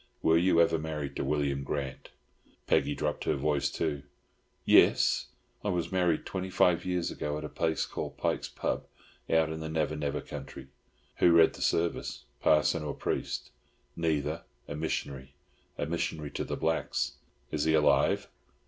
Were you ever married to William Grant?" Peggy dropped her voice too. "Yis. I was married twenty five years ago at a place called Pike's pub, out in the Never never country." "Who read the service, parson or priest?" "Neither. A mish'nary. Mish'nary to the blacks." "Is he alive?"